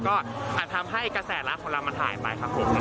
ก็อาจทำให้กระแสรักของเรามันถ่ายไปครับผม